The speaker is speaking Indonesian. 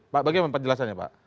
pak bagaimana penjelasannya pak